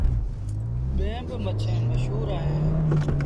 ٻيٚن با مڇيٚن مشهور اهيݩ ۔